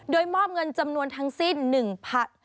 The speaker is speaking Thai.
โดยมอบเงินจำนวนทั้งสิ้น๑๐๐๐บาท